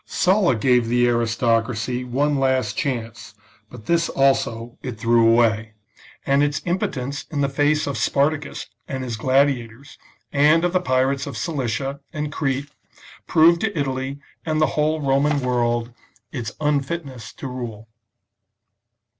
Sulla gave the aristocracy one last chance, but this also it threw away ; and its impotence in the face of Spartacus and his gladiators, and of the pirates of Cilicia and Crete, proved to Italy and the whole Roman world its unfitness to rule.